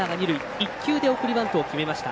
１球で送りバントを決めました。